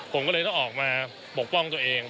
ผมก็เลยต้องออกมาปกป้องตัวเอง